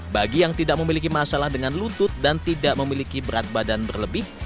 bagi yang tidak memiliki masalah dengan lutut dan tidak memiliki berat badan berlebih